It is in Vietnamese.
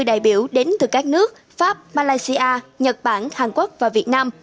đại biểu đến từ các nước pháp malaysia nhật bản hàn quốc và việt nam